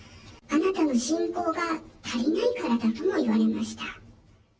あなたの信仰が足りないからだとも言われました。